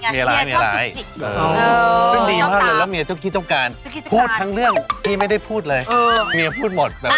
เปิดปาเจอผู้เมียคู่ดีแล้วรู้เลยว่า